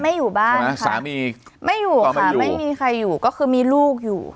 อยู่บ้านนะสามีไม่อยู่ค่ะไม่มีใครอยู่ก็คือมีลูกอยู่